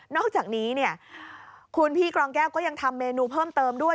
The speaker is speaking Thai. อกจากนี้เนี่ยคุณพี่กรองแก้วก็ยังทำเมนูเพิ่มเติมด้วย